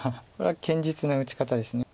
これは堅実な打ち方です。